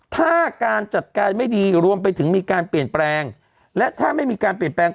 ถ้าการจัดการไม่ดีรวมไปถึงมีการเปลี่ยนแปลงและถ้าไม่มีการเปลี่ยนแปลง